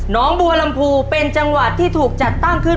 น้องบัวลำพูเป็นจังหวัดที่ถูกจัดตั้งขึ้น